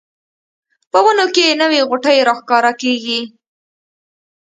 په ونو کې نوې غوټۍ راښکاره کیږي